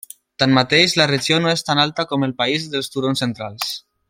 Tanmateix, la regió no és tan alta com el país dels turons centrals.